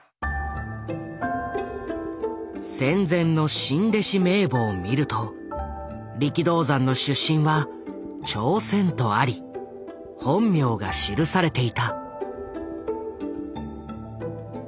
戦前の新弟子名簿を見ると力道山の出身は朝鮮とあり本名が記されていた。